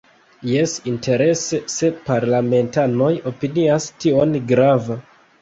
Jes, interese se parlamentanoj opinias tion grava.